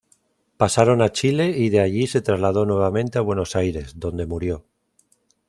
Pasaron a Chile y de allí se trasladó nuevamente a Buenos Aires, donde murió.